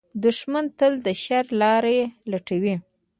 دښمن تل د شر لارې لټوي